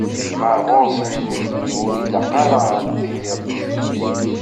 Ɣer ɣur-sen nutni, ur ilaq ara ad d-tiniḍ d acu-k.